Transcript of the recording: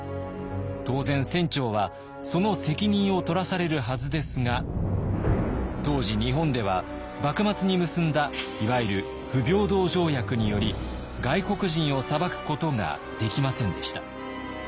当然船長はその責任を取らされるはずですが当時日本では幕末に結んだいわゆる不平等条約により外国人を裁くことができませんでした。